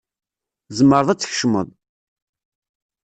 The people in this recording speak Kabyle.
Tzemreḍ ad tkecmeḍ.